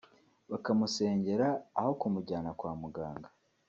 bakamusengera aho kumujyana kwa muganga